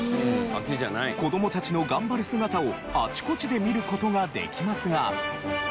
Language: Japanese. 子供たちの頑張る姿をあちこちで見る事ができますが。